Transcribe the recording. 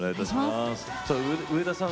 上田さん